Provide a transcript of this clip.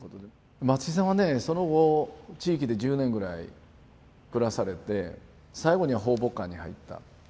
松井さんはねその後地域で１０年ぐらい暮らされて最後には抱樸館に入った。